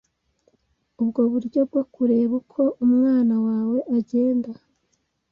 ubwo buryo bwo kureba uko umwana wawe agenda